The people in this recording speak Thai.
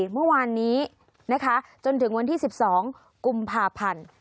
เมื่อวานนี้นะคะจนถึงวันที่๑๒กุมภาพันธ์